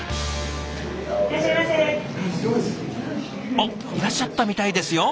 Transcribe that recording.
おっいらっしゃったみたいですよ。